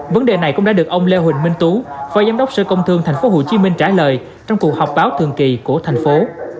vấn đề này cũng đã được ông lê huỳnh minh tú phó giám đốc sở công thương tp hcm trả lời trong cuộc họp báo thường kỳ của thành phố